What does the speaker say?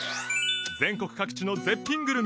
全国各地の絶品グルメや感動